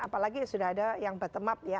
apalagi sudah ada yang bottom up ya